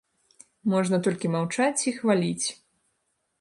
Можна толькі маўчаць і хваліць.